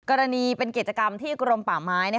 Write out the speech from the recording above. กรณีเป็นกิจกรรมที่กรมป่าไม้